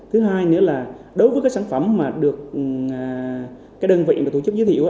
thứ hai nữa là đối với các sản phẩm mà được đơn vị tổ chức giới thiệu